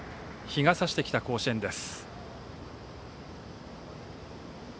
日が差してきた甲子園です。